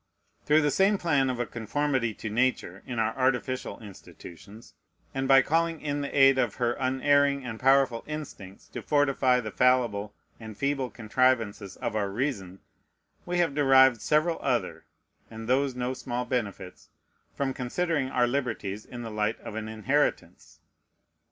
Through the same plan of a conformity to Nature in our artificial institutions, and by calling in the aid of her unerring and powerful instincts to fortify the fallible and feeble contrivances of our reason, we have derived several other, and those no small benefits, from considering our liberties in the light of an inheritance.